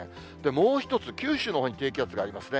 もう１つ、九州のほうに低気圧がありますね。